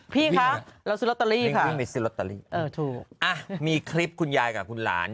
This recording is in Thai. พี่ข้ามเราวิ่งในซีล็อตตารีค่ะมีคลิปคุณยายกับคุณหลาน